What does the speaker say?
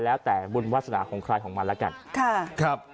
แล้วแต่บุญวาสนาของใครของมันล่ะกันค่ะครับ